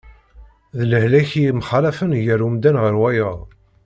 D lehlak i yemxallafen gar umdan ɣer wayeḍ.